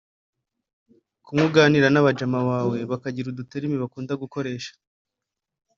Kumwe uganira n’abajama bawe bakagira udu terme bakunda gukoresha